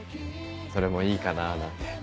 それもいいかなぁなんて。